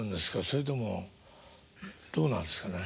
それともどうなんですかね。